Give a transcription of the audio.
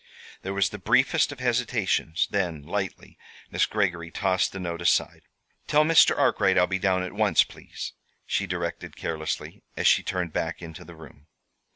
There was the briefest of hesitations; then, lightly, Miss Greggory tossed the note aside. "Tell Mr. Arkwright I'll be down at once, please," she directed carelessly, as she turned back into the room.